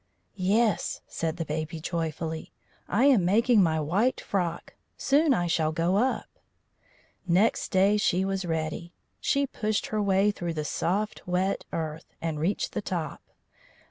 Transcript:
"Yes," said the Baby joyfully; "I am making my white frock. Soon I shall go up." Next day she was ready. She pushed her way through the soft wet earth, and reached the top.